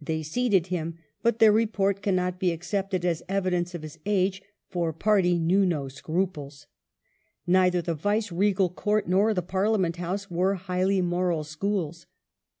They seated him, but their report cannot be accepted as evidence of his age, for party knew no scruples. Neither the Vice regal Court nor the Parliament House were highly moral schools.